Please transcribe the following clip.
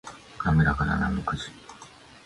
滑らかなナメクジ